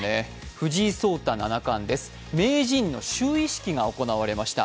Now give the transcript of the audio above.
藤井聡太七冠です、名人の就位式が行われました。